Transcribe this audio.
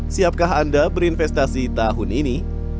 siapkah anda berinvestasi tahun ini